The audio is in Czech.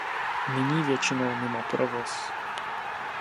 Nyní většinou mimo provoz.